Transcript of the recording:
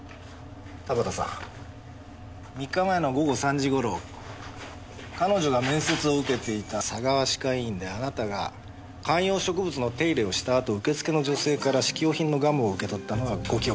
田畑さん３日前の午後３時頃彼女が面接を受けていた佐川歯科医院であなたが観葉植物の手入れをしたあと受付の女性から試供品のガムを受け取ったのはご記憶ですね？